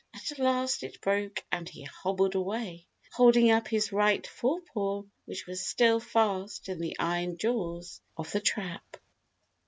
At last it broke and he hobbled away, holding up his right forepaw, which was still fast in the iron jaws of the trap.